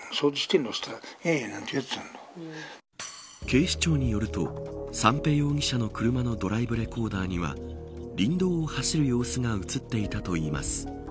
警視庁によると三瓶容疑者の車のドライブレコーダーには林道を走る様子が映っていたといいます。